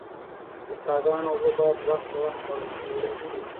د څاه ګانو اوبه باید وخت په وخت کلورین شي.